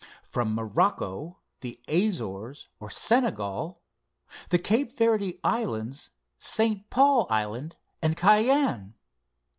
From Morocco, the Azores, or Senegal; the Cape Verde Islands, St. Paul Island, and Cayenne.